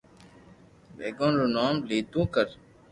بڀگوان رو نوم ليتو ڪر